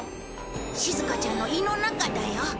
しずかちゃんの胃の中だよ。